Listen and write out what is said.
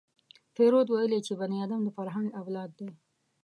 فروید ویلي چې بني ادم د فرهنګ اولاد دی